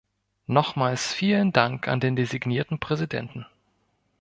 Nochmals vielen Dank an den designierten Präsidenten!